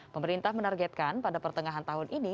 pemerintah menargetkan pada pertengahan tahun ini